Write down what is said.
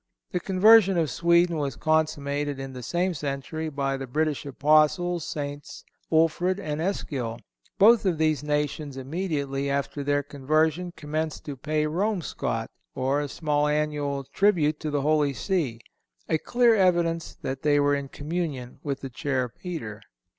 The conversion of Sweden was consummated in the same century by the British Apostles Saints Ulfrid and Eskill. Both of these nations immediately after their conversion commenced to pay Romescot, or a small annual tribute to the Holy See—a clear evidence that they were in communion with the Chair of Peter.